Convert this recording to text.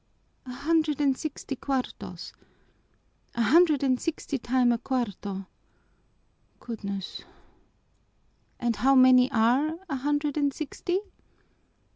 "A hundred and sixty cuartos? A hundred and sixty times a cuarto? Goodness! And how many are a hundred and sixty?"